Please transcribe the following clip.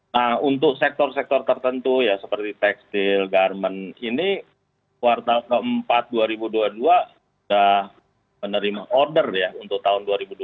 nah untuk sektor sektor tertentu ya seperti tekstil garmen ini kuartal keempat dua ribu dua puluh dua sudah menerima order ya untuk tahun dua ribu dua puluh